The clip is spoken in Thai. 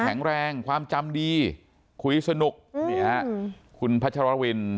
แข็งแรงความจำดีคุยสนุกนี่ฮะคุณพัชรวิน